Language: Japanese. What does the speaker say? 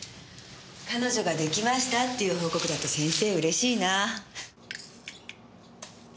「彼女ができました」っていう報告だと先生うれしいなぁ。